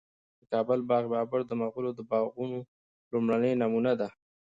د کابل باغ بابر د مغلو د باغونو لومړنی نمونه ده